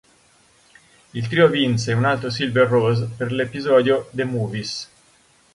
Il trio vinse un altro Silver Rose per l'episodio "The Movies".